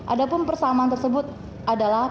ada pun persamaan tersebut adalah